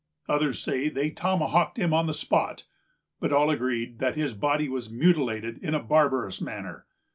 Others say that they tomahawked him on the spot; but all agree that his body was mutilated in a barbarous manner.